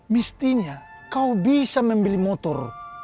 mestinya kau bisa membeli motor